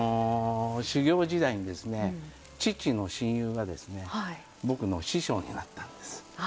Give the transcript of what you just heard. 修業時代に父の親友が僕の師匠になったんです。